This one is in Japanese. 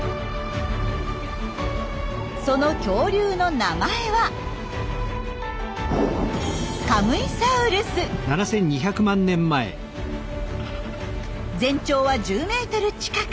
その恐竜の名前は全長は１０ｍ近く。